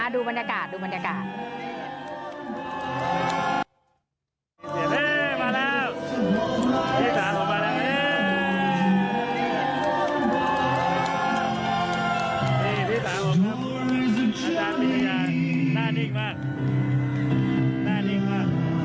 ดูบรรยากาศดูบรรยากาศ